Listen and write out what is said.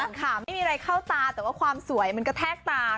ขยี้ตาวันค่ะไม่มีอะไรเข้าตาแต่ว่าความสวยมันกระแทกตาค่ะ